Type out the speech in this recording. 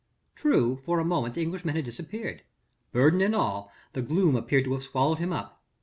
True for the moment the Englishman had disappeared. Burden and all, the gloom appeared to have swallowed him up.